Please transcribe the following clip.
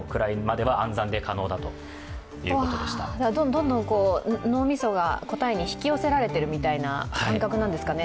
どんどん脳みそが答えに引き寄せられているみたいな感覚なんですかね。